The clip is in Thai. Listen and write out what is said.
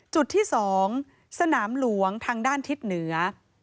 จุดที่๒สนามหลวงทางด้านทิศเหนือ